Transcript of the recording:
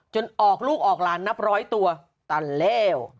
ออกลูกออกหลานนับร้อยตัวตันแล้ว